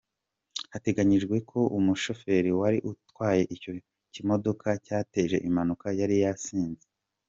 Hatangajwe ko umushoferi wari utwaye icyo kimodoka cyateje impanuka yari yasinze.